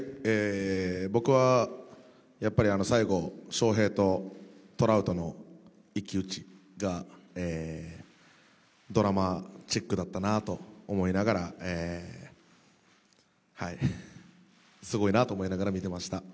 僕は最後、翔平とトラウトの一騎打ちがドラマチックだったなと思いながら、すごいなと思いながら見てました。